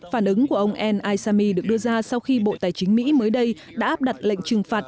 phản ứng của ông al asami được đưa ra sau khi bộ tài chính mỹ mới đây đã áp đặt lệnh trừng phạt